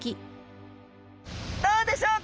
どうでしょうか？